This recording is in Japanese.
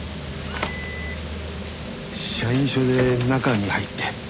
社員証で中に入って。